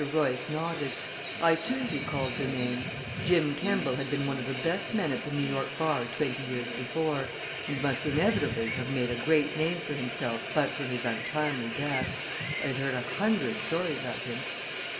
Royce nodded. I, too, recalled the name Jim Kemball had been one of the best men at the New York bar twenty years before, and must inevitably have made a great name for himself but for his untimely death. I had heard a hundred stories of him.